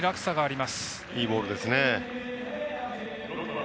いいボールですね。